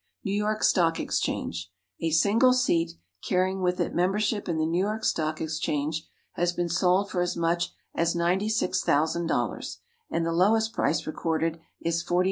=New York Stock Exchange.= A single seat, carrying with it membership in the New York Stock Exchange, has been sold for as much as $96,000, and the lowest price recorded is $49,500.